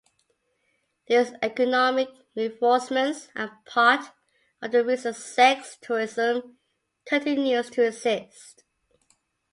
These economic reinforcements are part of the reason sex tourism continues to exist.